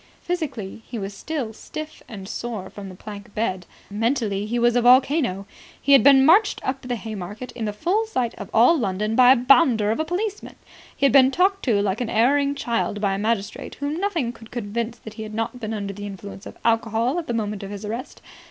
Physically, he was still stiff and sore from the plank bed. Mentally, he was a volcano. He had been marched up the Haymarket in the full sight of all London by a bounder of a policeman. He had been talked to like an erring child by a magistrate whom nothing could convince that he had not been under the influence of alcohol at the moment of his arrest.